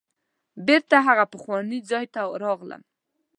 بیرته هغه پخواني ځای ته راغلم.